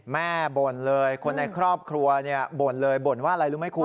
บ่นเลยคนในครอบครัวบ่นเลยบ่นว่าอะไรรู้ไหมคุณ